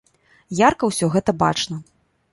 Ярка ўсё гэта бачна.